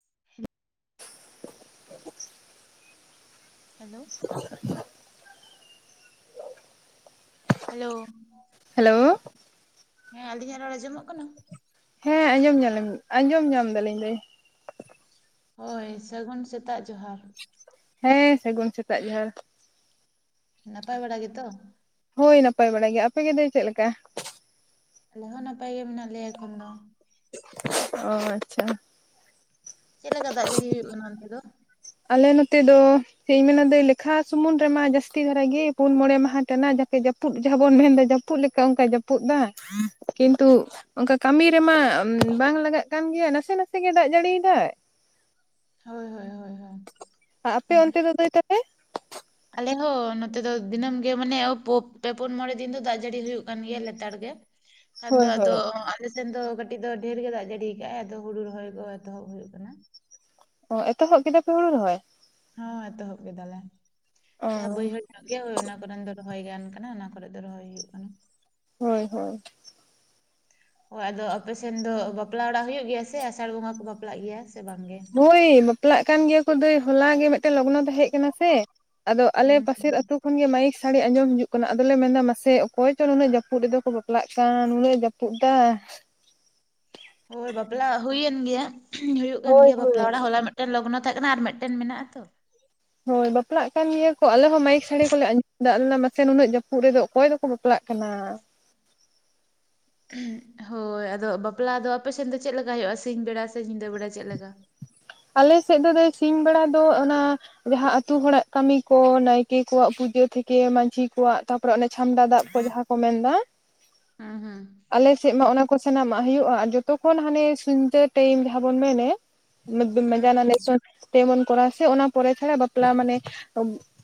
[inaudible] [inaudible] Hello hello hello ᱦᱮᱸ ᱟᱹᱞᱤᱧᱟᱜ ᱨᱚᱲ ᱟᱸᱡᱚᱢᱚᱜ ᱠᱟᱱᱟ ᱦᱮᱸ ᱟᱸᱡᱚᱢ ᱧᱟᱞᱟᱢ ᱟᱸᱡᱚᱢ ᱧᱟᱢ ᱫᱟᱞᱤᱧ ᱫᱟᱹᱭ ᱦᱳᱭ ᱥᱟᱹᱜᱩᱱ ᱥᱮᱛᱟᱜ ᱡᱚᱦᱟᱨ ᱦᱮᱸ ᱥᱟᱹᱜᱩᱱ ᱥᱮᱛᱟᱜ ᱡᱚᱦᱟᱨ ᱱᱟᱯᱟᱭ ᱵᱟᱲᱟ ᱜᱮ ᱛᱚ ᱦᱳᱭ ᱱᱟᱯᱟᱭ ᱵᱟᱲᱟ ᱜᱮ ᱟᱯᱮ ᱜᱮ ᱫᱟᱹᱭ ᱪᱮᱫ ᱞᱮᱠᱟ? ᱟᱞᱮ ᱦᱚᱸ ᱱᱟᱯᱟᱭ ᱜᱮ ᱢᱮᱱᱟᱜ ᱞᱮᱭᱟ ᱮᱠᱷᱚᱱ ᱫᱚ᱾ ᱚ ᱟᱪᱪᱷᱟ ᱪᱮᱫ ᱞᱮᱠᱟ ᱫᱟᱜ ᱡᱟᱹᱲᱤ ᱦᱩᱭᱩᱜ ᱠᱟᱱᱟ ᱚᱱᱛᱮ ᱫᱚ? ᱟᱞᱮ ᱱᱚᱛᱮ ᱫᱚ ᱪᱮᱫ ᱤᱧ ᱢᱮᱱᱟ ᱫᱟᱹᱭ ᱞᱮᱠᱷᱟ ᱥᱩᱢᱩᱱ ᱨᱮᱢᱟ ᱡᱟᱹᱥᱛᱤ ᱫᱷᱟᱨᱟ ᱜᱮ, ᱯᱩᱱ ᱢᱚᱬᱮ ᱢᱟᱦᱟ ᱴᱟᱱᱟ ᱡᱟᱠᱮ ᱡᱟᱯᱩᱫ᱾ ᱡᱟᱹᱯᱩᱫ ᱡᱟᱦᱟᱸ ᱵᱚᱱ ᱢᱮᱱᱫᱟ ᱡᱟᱹᱯᱩᱫ ᱞᱮᱠᱟ ᱚᱱᱠᱟ ᱡᱟᱹᱯᱩᱫ ᱮᱫᱟ, ᱠᱤᱱᱛᱩ ᱚᱱᱠᱟ ᱠᱟᱹᱢᱤ ᱨᱮᱢᱟ ᱵᱟᱝ ᱞᱟᱜᱟᱜ ᱠᱟᱱ ᱜᱮᱭᱟ ᱱᱟᱥᱮ ᱱᱟᱥᱮ ᱜᱮ ᱫᱟᱜ ᱡᱟᱹᱲᱤ ᱮᱫᱟᱭ᱾ ᱦᱳᱭ ᱦᱳᱭ ᱦᱳᱭ ᱦᱳᱭ ᱟᱯᱮ ᱦᱩᱸ ᱚᱱᱛᱮ ᱫᱚ ᱫᱟᱹᱭ ᱛᱟᱯᱮ [inaudible] ᱟᱞᱮ ᱦᱚᱸ ᱱᱚᱛᱮ ᱫᱚ ᱫᱤᱱᱟᱹᱢ ᱜᱮ ᱢᱟᱱᱮ ᱯᱮ ᱯᱩᱱ ᱢᱚᱬᱮ ᱫᱤᱱ ᱫᱚ ᱫᱟᱜ ᱡᱟᱹᱲᱤ ᱦᱩᱭᱩᱜ ᱠᱟᱱ ᱜᱮᱭᱟ ᱞᱮᱛᱟᱲ ᱜᱮ᱾ [inaudible] ᱠᱷᱟᱱ ᱫᱚ ᱦᱳᱭ ᱟᱫᱚ ᱦᱳᱭ ᱟᱞᱮᱥᱮᱱ ᱫᱚ ᱠᱟᱹᱴᱤᱡ ᱫᱚ ᱰᱷᱮᱨ ᱜᱮ ᱫᱟᱜ ᱡᱟᱹᱲᱤ ᱠᱟᱜ ᱟᱭ, ᱟᱫᱚ ᱦᱩᱲᱩ ᱨᱚᱦᱚᱭ ᱠᱚ ᱮᱛᱚᱦᱚᱵ ᱦᱩᱭᱩᱜ ᱠᱟᱱᱟ᱾ ᱚ ᱮᱛᱚᱦᱚᱵ ᱠᱮᱫᱟ ᱯᱮ ᱦᱩᱲᱩ ᱨᱚᱦᱚᱭ? ᱦᱚ ᱮᱛᱚᱦᱚᱵ ᱠᱮᱫᱟᱞᱮ, ᱚ ᱡᱟᱦᱟᱸ ᱵᱟᱹᱭᱦᱟᱹᱲ ᱜᱮ ᱦᱳᱭ ᱚᱱᱟ ᱠᱚᱨᱮᱱ ᱫᱚ ᱨᱚᱦᱚᱭ ᱜᱟᱱ ᱠᱟᱱᱟ ᱚᱱᱟ ᱠᱚᱨᱮ ᱫᱚ ᱨᱚᱦᱚᱭ ᱦᱩᱭᱩᱜ ᱠᱟᱱᱟ᱾ ᱦᱳᱭ ᱦᱳᱭ [inaudible] ᱦᱳᱭ ᱟᱫᱚ ᱟᱯᱮ ᱥᱮᱱ ᱫᱚ ᱵᱟᱯᱞᱟ ᱚᱲᱟᱜ ᱦᱩᱭᱩᱜ ᱜᱮᱭᱟ ᱥᱮ ᱟᱥᱟᱲ ᱵᱚᱸᱜᱟ ᱠᱚ ᱵᱟᱯᱞᱟᱜ ᱜᱮᱭᱟ ᱥᱮ ᱵᱟᱝ ᱜᱮ? ᱦᱳᱭ ᱵᱟᱯᱞᱟᱜ ᱠᱟᱱ ᱜᱮᱭᱟ ᱠᱚ ᱫᱟᱹᱭ ᱦᱚᱞᱟ ᱜᱮ ᱢᱤᱫᱴᱮᱱ ᱞᱚᱜᱽᱱᱚ ᱛᱟᱦᱮᱸ ᱠᱟᱱᱟ ᱥᱮ ᱟᱫᱚ ᱟᱞᱮ ᱦᱩᱸ ᱯᱟᱥᱮᱨ ᱦᱩᱸ ᱟᱹᱛᱩ ᱩᱱᱤᱭᱟᱜ ᱢᱟᱭᱤᱠ ᱥᱟᱲᱮ ᱟᱸᱡᱚᱢ ᱦᱤᱡᱩᱜ ᱠᱟᱱᱟ ᱟᱫᱚᱞᱮ ᱢᱮᱱᱫᱟ ᱢᱟᱥᱮ ᱚᱠᱚᱭ ᱪᱚ ᱱᱩᱱᱟᱹᱜ ᱡᱟᱹᱯᱩᱜ ᱨᱮᱫᱚ ᱠᱚ ᱵᱟᱯᱞᱟᱜ ᱠᱟᱱ ᱱᱩᱱᱟᱹᱜ ᱡᱟᱹᱯ ᱯᱩᱜ ᱫᱟ ᱦᱳᱭ ᱵᱟᱯᱞᱟ ᱦᱩᱭᱮᱱ ᱜᱮᱭᱟ ᱦᱩᱭᱩᱜ ᱠᱟᱱ ᱦᱳᱭ ᱜᱮᱭᱟ ᱵᱟᱯᱞᱟ ᱦᱳᱭ ᱚᱲᱟᱜ ᱦᱚᱞᱟ ᱢᱮᱫ ᱴᱮᱱ ᱞᱚᱜᱱᱚ ᱛᱟᱦᱮᱸ ᱠᱟᱱᱟ ᱟᱨ ᱢᱤᱫᱴᱮᱱ ᱢᱮᱱᱟᱜᱼᱟ ᱛᱚ ᱦᱳᱭ ᱵᱟᱯᱞᱟᱜ ᱠᱟᱱ ᱜᱮᱭᱟ ᱠᱚ ᱟᱞᱮ ᱦᱚᱸ ᱢᱟᱭᱤᱠ ᱥᱟᱹᱲᱮ ᱠᱚᱞᱮ ᱟᱸᱡᱚᱢ ᱫᱟ ᱢᱟᱥᱮ ᱱᱩᱱᱟᱹᱜ ᱡᱟᱹᱯᱩᱜ ᱨᱮᱫᱚ ᱚᱠᱚᱭ ᱫᱚᱠᱚ ᱵᱟᱯ ᱯᱞᱟᱜ ᱠᱟᱱᱟ ᱦᱳᱭ ᱟᱫᱚ ᱵᱟᱯᱞᱟ ᱫᱚ ᱟᱯᱮᱥᱮᱫ ᱫᱚ ᱪᱮᱫ ᱞᱮᱠᱟ ᱦᱩᱭᱩᱜᱼᱟ? ᱥᱤᱧ ᱵᱮᱲᱟ ᱥᱮ ᱧᱤᱫᱟᱹ ᱵᱮᱲᱟ ᱪᱮᱫ ᱞᱮᱠᱟ? ᱟᱞᱮᱥᱮᱫ ᱫᱚ ᱫᱟᱹᱭ ᱥᱤᱧ ᱵᱮᱲᱟ ᱫᱚ ᱚᱱᱟ ᱡᱟᱦᱟᱸ ᱟᱛᱩ ᱦᱚᱲᱟᱜ ᱠᱟᱹᱢᱤ ᱠᱚ ᱱᱟᱭᱠᱮ ᱠᱚᱣᱟᱜ ᱯᱩᱡᱟᱹ ᱛᱷᱮᱠᱮ ᱢᱟᱡᱷᱤ ᱠᱚᱣᱟᱜ ᱛᱟᱯᱚᱨᱮ ᱚᱱᱮ ᱪᱷᱟᱢᱰᱟ ᱫᱟᱯ ᱠᱚ ᱡᱟᱦᱟᱸ ᱠᱚ ᱢᱮᱱᱫᱟ ᱟ ᱦᱟ ᱟᱞᱮᱥᱮᱜ ᱢᱟ ᱚᱱᱟ ᱠᱚ ᱥᱟᱱᱟᱢᱟᱜ ᱦᱩᱭᱩᱜᱼᱟ ᱟᱨ ᱡᱚᱛᱚᱠᱷᱚᱱ ᱦᱟᱱᱮ ᱥᱩᱱᱫᱟᱹ ᱴᱟᱭᱤᱢ ᱡᱟᱦᱟᱸ ᱵᱚᱱ ᱢᱮᱱᱮᱜ ᱦᱩᱸ ᱦᱩᱸ [unintelligible] ᱛᱮᱵᱚᱱ ᱠᱚᱨᱟᱣᱟ ᱥᱮ ᱚᱱᱟ ᱯᱚᱨᱮ ᱪᱷᱟᱲᱟ ᱵᱟᱯᱞᱟ ᱢᱟᱱᱮ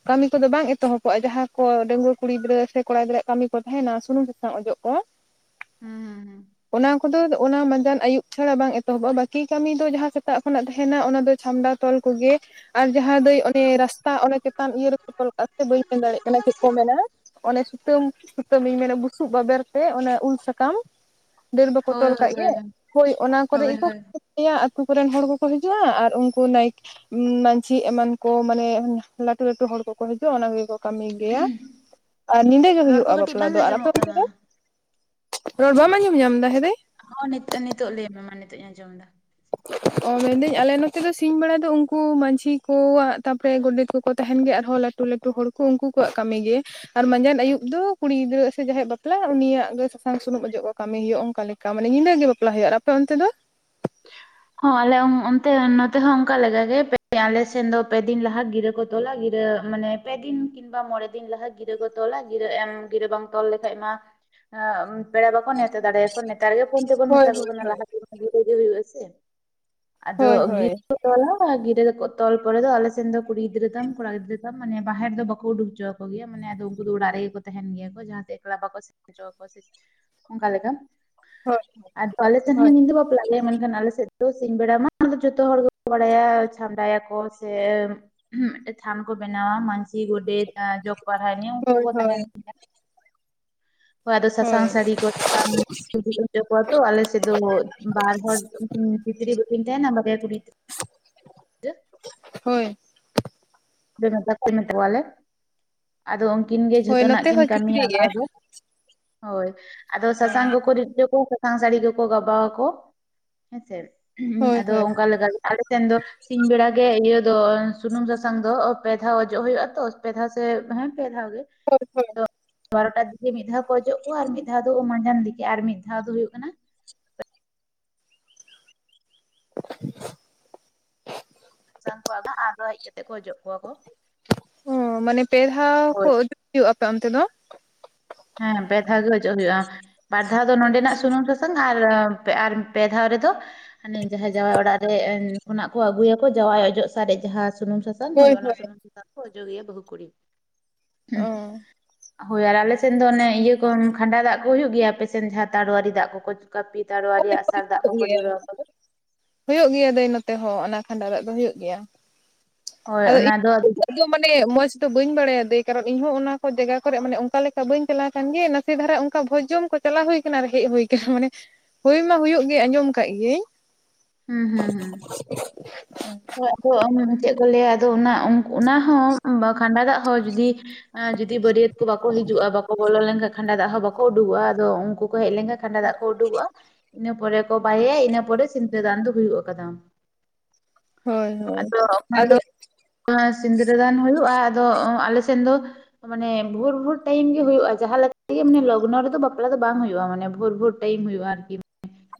ᱠᱟᱹᱢᱤ ᱠᱚᱫᱚ ᱵᱟᱝ ᱮᱛᱚᱦᱚᱵᱚᱜᱼᱟ ᱡᱟᱦᱟᱸ ᱠᱚ ᱰᱟᱹᱣᱟᱹ ᱠᱩᱲᱤ ᱜᱤᱫᱽᱨᱟᱹ ᱥᱮ ᱠᱚᱲᱟ ᱜᱤᱫᱽᱨᱟᱹ ᱠᱟᱹᱢᱤ ᱠᱚ ᱛᱟᱦᱮᱱᱟ ᱥᱩᱱᱩᱢ ᱥᱟᱥᱟᱝ ᱚᱡᱚᱜ ᱠᱚ ᱦᱮᱸ ᱦᱮᱸ ᱦᱮᱸ ᱚᱱᱟ ᱠᱚᱫᱚ ᱚᱱᱟ ᱢᱟᱡᱟᱱ ᱟᱹᱭᱩᱵ ᱪᱷᱟᱲᱟ ᱵᱟᱝ ᱮᱛᱚᱦᱚᱵᱚᱜᱼᱟ ᱵᱟᱹᱠᱤ ᱠᱟᱹᱢᱤ ᱫᱚ ᱡᱟᱦᱟᱸ ᱥᱮᱛᱟᱜ ᱠᱷᱚᱱᱟᱜ ᱛᱟᱦᱮᱱᱟ ᱚᱱᱟ ᱫᱚ ᱪᱷᱟᱢᱰᱟ ᱛᱚᱞ ᱠᱚᱜᱮ ᱟᱨ ᱡᱟᱦᱟᱸ ᱫᱟᱹᱭ ᱚᱱᱮ ᱨᱟᱥᱛᱟ ᱚᱱᱮ ᱪᱮᱛᱟᱱ ᱤᱭᱟᱹ ᱨᱮᱠᱚ ᱛᱚᱞ ᱠᱟᱜ-ᱟ ᱥᱮ ᱵᱟᱹᱧ ᱢᱮᱱ ᱫᱟᱲᱮᱭᱟᱜ ᱠᱟᱱᱟ ᱪᱮᱫ ᱠᱚ ᱢᱮᱱᱟ ᱚᱱᱮ ᱥᱩᱛᱟᱹᱢ ᱥᱩᱛᱟᱹᱢ ᱤᱧ ᱢᱮᱱᱟ ᱵᱩᱥᱩᱵ ᱵᱟᱵᱮᱨ ᱛᱮ ᱚᱱᱮ ᱩᱞ ᱥᱟᱠᱟᱢ ᱰᱟᱹᱨ ᱵᱟᱠᱚ ᱦᱳᱭ ᱛᱚᱞ ᱦᱳᱭ ᱠᱟᱜ ᱦᱳᱭ ᱜᱮᱭᱟ ᱦᱳᱭ ᱚᱱᱟ ᱠᱚᱨᱮᱜ ᱦᱳᱭ ᱜᱮᱠᱚ ᱦᱳᱭ [inaudible] ᱢᱤᱭᱟ ᱟᱨ ᱠᱚ ᱛᱩ ᱨᱮᱱ ᱦᱚᱲ ᱠᱚᱠᱚ ᱦᱤᱡᱩᱜᱼᱟ ᱟᱨ ᱩᱱᱠᱩ ᱱᱟᱭ ᱢᱟᱹᱡᱷᱤ ᱮᱢᱟᱱ ᱠᱚ ᱢᱟᱱᱮ ᱞᱟᱹᱴᱩ ᱞᱟᱹᱴᱩ ᱦᱚᱲ ᱠᱚᱠᱚ ᱦᱤᱡᱩᱜᱼᱟ ᱚᱱᱟ ᱠᱚᱜᱮ ᱠᱟᱹᱢᱤ ᱜᱮᱭᱟ ᱟᱨ ᱧᱤᱫᱟᱹ ᱜᱮ ᱨᱚᱲ ᱠᱚ ᱦᱩᱭᱩᱜᱼᱟ ᱠᱟᱹᱴᱤᱡ ᱵᱟᱯᱞᱟ ᱵᱟᱝ ᱫᱚ᱾ ᱟᱨ ᱟᱯᱮ ᱟᱸᱡᱚᱢᱚᱜ ᱚᱱᱛᱮ ᱠᱟᱱᱟ᱾ ᱫᱚ? ᱨᱚᱲ ᱵᱟᱢ ᱟᱸᱡᱚᱢ ᱧᱟᱢᱫᱟ ᱦᱮ ᱫᱟᱹᱭ? ᱦᱚᱸ ᱱᱤᱛ ᱱᱤᱛᱚᱜ ᱞᱟᱹᱭᱢᱮ ᱢᱟ ᱱᱤᱛᱚᱜ ᱤᱧ ᱟᱸᱡᱚᱢᱫᱟ ᱚ ᱢᱮᱱᱫᱟᱹᱧ ᱟᱞᱮ ᱱᱚᱛᱮ ᱫᱚ ᱥᱤᱧ ᱵᱮᱲᱟ ᱫᱚ ᱩᱱᱠᱩ ᱢᱟᱹᱡᱷᱤ ᱠᱚᱣᱟᱜ ᱛᱟᱯᱚᱨᱮ ᱜᱚᱰᱮᱛ ᱠᱚᱠᱚ ᱛᱟᱦᱮᱱ ᱜᱮᱭᱟ ᱟᱨᱦᱚᱸ ᱞᱟᱹᱠ ᱴᱩ ᱞᱟᱹᱴᱩ ᱦᱚᱲ ᱠᱚ ᱩᱱᱠᱩᱣᱟᱜ ᱠᱟᱹᱢᱤ ᱜᱮ ᱟᱨ ᱢᱟᱸᱡᱟᱱ ᱟᱹᱭᱩᱵ ᱫᱚ ᱠᱩᱲᱤ ᱜᱤᱫᱽᱨᱟᱹ ᱥᱮ ᱡᱟᱦᱟᱸᱭ ᱭᱟᱜ ᱵᱟᱯᱞᱟ ᱩᱱᱤᱭᱟᱜ ᱜᱮ ᱥᱟᱥᱟᱝ ᱥᱩᱱᱩᱢ ᱚᱡᱚᱜ ᱠᱚ ᱠᱟᱹᱢᱤ ᱦᱩᱭᱩᱜᱼᱟ ᱚᱱᱠᱟ ᱞᱮᱠ ᱠᱟ ᱢᱟᱱᱮ ᱧᱤᱫᱟᱹ ᱜᱮ ᱵᱟᱯᱞᱟ ᱦᱩᱭᱩᱜᱼᱟ᱾ ᱟᱨ ᱟᱯᱮ ᱚᱱᱛᱮ ᱫᱚ? ᱦᱚᱸ ᱟᱞᱮ ᱚᱱᱛᱮ ᱱᱚᱛᱮ ᱦᱚᱸ ᱚᱱᱠᱟ ᱞᱮᱠᱟᱜᱮ ᱯᱮ ᱟᱞᱮ ᱥᱮᱱ ᱫᱚ ᱯᱮᱫᱤᱱ ᱞᱟᱦᱟ ᱜᱤᱨᱟᱹ ᱠᱚ ᱛᱚᱞᱟ ᱜᱤᱨᱟᱹ ᱢᱟᱱᱮ ᱯᱮ ᱫᱤᱱ ᱠᱤ ᱵᱟ ᱢᱚᱬᱮ ᱫᱤᱱ ᱞᱟᱦᱟ ᱜᱤᱨᱟᱹ ᱠᱚ ᱛᱚᱞᱟ ᱜᱤᱨᱟᱹ ᱮᱢ ᱜᱤᱨᱟᱹ ᱵᱟᱝ ᱛᱚᱞ ᱞᱮᱠᱷᱟᱡ ᱢᱟ ᱮᱜ ᱯᱮᱲᱟ ᱵᱟᱠᱚ ᱱᱮᱶᱛᱟ ᱫᱟᱲᱮ ᱭᱟᱠᱚᱣᱟ ᱱᱮᱛᱟᱨ ᱜᱮ ᱯᱷᱳᱱ ᱛᱮᱵᱚᱱ ᱦᱳᱭ ᱢᱮᱛᱟ ᱠᱚ ᱦᱳᱭ ᱠᱟᱱᱟ ᱦᱳᱭ ᱞᱟᱦᱟᱛᱮ ᱵᱷᱟᱜᱮ ᱦᱩᱭᱩᱜ-ᱟ ᱥᱮ ᱟᱫᱚ ᱦᱳᱭ ᱜᱤ ᱦᱳᱭ ᱛᱚᱞᱟ ᱜᱤᱨᱟᱹ ᱛᱚᱞ ᱯᱚᱨᱮ ᱫᱚ ᱟᱞᱮ ᱥᱮᱱ ᱫᱚ ᱠᱩᱲᱤ ᱜᱤᱫᱽᱨᱟᱹ ᱛᱟᱢ ᱠᱚᱲᱟ ᱜᱤᱫᱽᱨᱟᱹ ᱛᱟᱢ ᱢᱟᱱᱮ ᱵᱟᱦᱮᱨ ᱫᱚ ᱵᱟᱠᱚ ᱩᱰᱩᱠ ᱦᱚᱪᱚᱣᱟ ᱠᱚᱜᱮᱭᱟ ᱢᱟᱱᱮ ᱩᱱᱠᱩ ᱫᱚ ᱚᱲᱟᱜ ᱨᱮᱜᱮ ᱠᱚ ᱛᱟᱦᱮᱱ ᱜᱮᱭᱟ ᱠᱚ ᱡᱟᱦᱟᱸ ᱛᱮ ᱮᱠᱞᱟ ᱵᱟᱠᱚ ᱥᱮᱱ ᱪᱚ ᱟᱠᱚ ᱥᱮ ᱚᱱᱠᱟ ᱞᱮᱠᱟ ᱦᱳᱭ ᱟᱫᱚ ᱟᱞᱮ ᱥᱮᱱ ᱦᱳᱭ ᱦᱚᱸ ᱧᱤᱫᱟᱹ ᱵᱟᱯᱞᱟ ᱜᱮ ᱢᱮᱱᱠᱷᱟᱱ ᱟᱞᱮ ᱥᱮᱫ ᱥᱤᱧ ᱵᱮᱲᱟ ᱢᱟ ᱚᱱᱟ ᱫᱚ ᱡᱚᱛᱚ ᱦᱚᱲ ᱜᱮᱠᱚ ᱵᱟᱲᱟᱭᱟ ᱪᱷᱟᱢᱰᱟ ᱭᱟᱠᱚ ᱥᱮ ᱢᱤᱫᱴᱮᱡ ᱛᱷᱟᱱ ᱠᱚ ᱵᱮᱱᱟᱣᱟ ᱢᱟᱹᱡᱷᱤ, ᱜᱚᱰᱮᱛ, ᱡᱚᱜᱽ ᱯᱟᱨᱟᱱᱤ ᱩᱱᱠᱩ ᱠᱚ ᱦᱳᱭ ᱠᱚ ᱦᱳᱭ ᱛᱟᱦᱮᱱ ᱛᱟᱦᱮ ᱦᱳᱭ ᱟᱫᱚ ᱥᱟᱥᱟᱝ ᱥᱟᱹᱲᱤ ᱠᱚ ᱥᱟᱥᱟᱝ [inaudible] ᱤᱭᱟᱹ ᱯᱚᱨ ᱛᱚ ᱟᱞᱮᱥᱮᱫ ᱫᱚ ᱵᱟᱨ ᱦᱚᱲ ᱛᱤᱛᱨᱤ ᱵᱟᱠᱤᱱ ᱛᱟᱦᱮᱱᱟ ᱵᱟᱨᱭᱟ ᱠᱩᱲᱤ ᱦᱳᱭ [unintelligible] ᱟᱫᱚ ᱩᱱᱠᱤᱱ ᱜᱮ ᱦᱳᱭ ᱡᱷᱚᱛᱚᱱᱟᱜ ᱱᱚᱛᱮ ᱠᱤᱱ ᱦᱚᱸ ᱠᱟᱹᱢᱤᱭᱟ ᱪᱤᱠᱨᱤ ᱚᱱᱟ ᱜᱮ ᱫᱚ ᱦᱳᱭ ᱟᱫᱚ ᱥᱟᱥᱟᱝ ᱠᱚᱠᱚ ᱨᱤᱫ ᱪᱚ ᱠᱚ ᱥᱟᱥᱟᱝ ᱥᱟᱹᱲᱤ ᱠᱚᱠᱚ ᱜᱟᱵᱟᱣ ᱟᱠᱚ ᱦᱮᱸᱥᱮ ᱦᱳᱭ ᱟᱫᱚ ᱦᱳᱭ ᱚᱱᱠᱟ ᱞᱮᱠᱟ ᱫᱚ ᱥᱤᱧ ᱵᱮᱲᱟ ᱜᱮ ᱤᱭᱟᱹ ᱫᱚ ᱥᱩᱱᱩᱢ ᱥᱟᱥᱟᱝ ᱫᱚ ᱯᱮ ᱫᱷᱟᱣ ᱚᱡᱚᱜ ᱦᱩᱭᱩᱜᱼᱟ ᱛᱚ ᱯᱮ ᱫᱷᱟᱣ ᱥᱮ ᱦᱮᱸ ᱯᱮ ᱫᱷᱟᱣ ᱜᱮ ᱦᱚᱭ-ᱦᱚᱭ ᱛᱚ ᱵᱟᱨᱚᱴᱟ ᱫᱤᱠᱮ ᱢᱤᱫ ᱫᱷᱟᱣ ᱠᱚ ᱚᱡᱚᱜ ᱠᱚᱣᱟ ᱟᱨ ᱢᱤᱫ ᱫᱷᱟᱣ ᱫᱚ ᱢᱟᱡᱟᱱ ᱫᱤᱠᱮ ᱟᱨ ᱢᱤᱫ ᱫᱷᱟᱣ ᱫᱚ ᱦᱩᱭᱩᱜ ᱠᱟᱱᱟ ᱪᱮᱫ ᱦᱚᱸ ᱵᱟᱝ ᱟᱸᱡᱚᱢᱚᱜ ᱠᱟᱱᱟ ᱥᱟᱥᱟᱝ ᱠᱚᱣᱟ ᱟᱫᱚ ᱦᱮᱡ ᱠᱟᱛᱮ ᱠᱚ ᱚᱡᱚᱜ ᱠᱚᱣᱟ ᱠᱚ ᱚ ᱢᱟᱱᱮ ᱯᱮ ᱫᱷᱟᱣ ᱠᱚ ᱦᱳᱭ ᱚᱡᱚᱜ ᱟᱯᱮ ᱚᱱᱛᱮ ᱫᱚ ᱦᱮᱸ ᱯᱮ ᱫᱷᱟᱣ ᱜᱮ ᱚᱡᱚᱜ ᱦᱩᱭᱩᱜᱼᱟ᱾ ᱵᱟᱨ ᱫᱷᱟᱣ ᱫᱚ ᱱᱚᱰᱮᱱᱟᱜ ᱥᱩᱱᱩᱢ ᱥᱟᱥᱟᱝ ᱟᱨ-ᱟᱨ ᱯᱮ ᱫᱷᱟᱣ ᱨᱮᱫᱚ ᱦᱟᱱᱮ ᱡᱟᱦᱟᱸᱭ ᱡᱟᱶᱟᱭ ᱚᱲᱟᱜ ᱨᱮ ᱠᱷᱚᱱᱟᱜ ᱠᱚ ᱟᱹᱜᱩᱭᱟᱠᱚ ᱡᱟᱶᱟᱭ ᱚᱡᱚᱜ ᱥᱟᱨᱮᱡ ᱡᱟᱦᱟᱸ ᱥᱩᱱᱩᱢ ᱥᱟᱥᱟᱝ ᱦᱳᱭ ᱚᱱᱟ ᱦᱳᱭ ᱥᱩᱱᱩᱢ ᱥᱟᱥᱟᱝ ᱠᱚ ᱚᱡᱚᱜᱮᱭᱟ ᱵᱟᱹᱦᱩ ᱠᱩᱲᱤ ᱚ ᱦᱚᱭ ᱟᱨ ᱟᱞᱮ ᱫᱚ ᱚᱱᱮ ᱤᱭᱟᱹ ᱠᱚ ᱠᱷᱟᱸᱰᱟ ᱫᱟᱜ ᱠᱚ ᱦᱩᱭᱩᱜ ᱜᱮᱭᱟ ᱟᱯᱮᱥᱮᱱ ᱡᱟᱦᱟᱸ ᱛᱟᱲᱳᱣᱟᱨᱤ ᱫᱟᱜ ᱠᱚ ᱠᱟᱹᱯᱤ, ᱛᱟᱨᱣᱟᱨᱮ, ᱟᱸᱜ ᱥᱟᱨ ᱫᱟᱜ ᱦᱩᱭᱩᱜ ᱠᱚ-ᱠᱚ ᱜᱮᱭᱟ ᱡᱚᱲᱟ ᱟᱠᱚᱫᱚ ᱦᱩᱭᱩᱜ ᱜᱮᱭᱟ ᱫᱟᱹᱭ ᱱᱚᱛᱮ ᱦᱚᱸ ᱚᱱᱟ ᱠᱷᱟᱸᱰᱟᱣ ᱫᱟᱜ ᱫᱚ ᱦᱩᱭᱩᱜ ᱜᱮᱭᱟ ᱦᱚᱭ ᱚᱱᱟ ᱫᱚ ᱟᱫᱚ ᱫᱚ ᱢᱟᱱᱮ ᱢᱚᱡᱽ ᱫᱚ ᱵᱟᱹᱧ ᱵᱟᱲᱟᱭᱟ ᱫᱟᱹᱭ ᱠᱟᱨᱚᱱ ᱤᱧᱦᱚᱸ ᱚᱱᱟ ᱠᱚ ᱡᱟᱭᱜᱟ ᱠᱚᱨᱮ ᱢᱟᱱᱮ ᱚᱱᱠᱟ ᱞᱮᱠᱟ ᱵᱟᱹᱧ ᱪᱟᱞᱟᱣ ᱠᱟᱱ ᱜᱮᱭᱟ ᱥᱮ ᱫᱷᱟᱨᱟ ᱚᱱᱠᱟ ᱵᱷᱚᱡᱽᱡᱚᱢ ᱠᱚ ᱪᱟᱞᱟ ᱦᱩᱭ ᱠᱟᱱᱟ ᱟᱨ ᱦᱮᱡ ᱦᱩᱭ ᱠᱟᱱᱟ ᱢᱟᱱᱮ ᱦᱩᱭ ᱢᱟ ᱦᱩᱭᱩᱜ ᱜᱮ ᱟᱸᱡᱚᱢ ᱟᱠᱟᱫ ᱜᱤᱭᱟᱹᱧ ᱦᱩᱸ-ᱦᱩᱸ, ᱦᱩᱸ ᱪᱮᱫ ᱦᱚᱸ ᱵᱟᱝ ᱟᱸᱡᱚᱢᱚᱜ ᱠᱟᱱᱟ ᱟᱫᱚ ᱢᱩᱪᱟᱹᱫ ᱨᱮ ᱞᱟᱹᱭᱟ ᱟᱫᱚ ᱚᱱᱟ-ᱚᱱᱟ ᱦᱚᱸ ᱠᱷᱟᱸᱰᱟ ᱫᱟᱜ ᱦᱚᱸ ᱡᱩᱫᱤ ᱡᱩᱫᱤ ᱵᱟᱹᱨᱭᱟᱹᱛ ᱠᱚ ᱵᱟᱠᱚ ᱦᱤᱡᱩᱜᱼᱟ ᱵᱟᱠᱚ ᱵᱚᱞᱚ ᱞᱮᱱᱠᱷᱟᱱᱡ ᱠᱷᱟᱸᱰᱟ ᱫᱟᱜ ᱦᱚᱸ ᱵᱟᱠᱚ ᱩᱰᱩᱠᱚᱜᱼᱟ ᱟᱫᱚ ᱩᱱᱠᱩ ᱦᱮᱡ ᱞᱮᱱᱠᱷᱟᱡ ᱠᱷᱟᱸᱰᱟ ᱫᱟᱜ ᱠᱚ ᱩᱰᱩᱠᱚᱜᱼᱟ ᱤᱱᱟᱹ ᱯᱚᱨᱮ ᱠᱚ ᱵᱟᱭᱟᱮᱭᱟ ᱤᱱᱟᱹ ᱯᱚᱨᱮ ᱥᱤᱫᱽᱨᱟᱹ ᱫᱟᱱ ᱫᱚ ᱦᱩᱭᱩᱜ ᱟᱠᱟᱫᱟ ᱦᱳᱭ ᱦᱳᱭ ᱟᱫᱚ ᱠᱷᱟᱱ ᱟᱫᱚ ᱫᱚ ᱥᱤᱸᱫᱽᱨᱟᱹᱫᱟᱱ ᱦᱩᱭᱩᱜᱼᱟ ᱟᱫᱚ ᱟᱞᱮ ᱥᱮᱫ ᱫᱚ ᱢᱟᱱᱮ ᱵᱷᱳᱨ-ᱵᱷᱳᱨ ᱴᱟᱭᱤᱢ ᱜᱮ ᱦᱩᱭᱩᱜᱼᱟ ᱡᱟᱦᱟᱸ ᱞᱮᱠᱟ ᱞᱚᱜᱽᱱᱚ ᱨᱮᱫᱚ ᱵᱟᱯᱞᱟ ᱫᱚ ᱵᱟᱝ ᱦᱩᱭᱩᱜᱼᱟ ᱢᱟᱱᱮ ᱵᱷᱳᱨ-ᱵᱷᱳᱨ ᱴᱟᱭᱤᱢ ᱦᱩᱭᱩᱜᱼᱟ ᱟᱨᱠᱤ